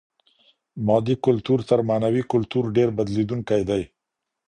مادي کلتور تر معنوي کلتور ډېر بدلېدونکی دی.